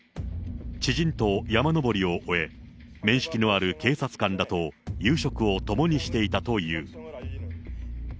知人と山登りを終え、面識のある警察官らと夕食を共にしていたという。